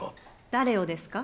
誰をですか。